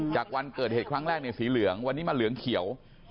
วันเกิดเหตุครั้งแรกในสีเหลืองวันนี้มาเหลืองเขียว